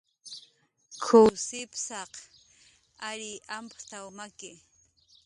"K""uw sipsaq ariy amptaw maki"